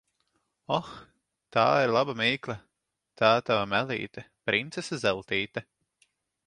Oh, tā ir laba mīkla! Tā tava mēlīte, princese Zeltīte.